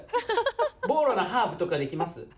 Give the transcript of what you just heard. ボーロのハーフとかできます？